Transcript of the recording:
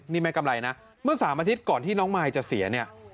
นี่แม่กำไรนะเมื่อ๓อาทิตย์ก่อนที่น้องมายจะเสียเนี่ย